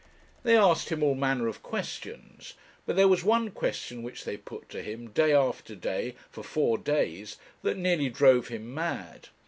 They asked him all manner of questions; but there was one question which they put to him, day after day, for four days, that nearly drove him mad.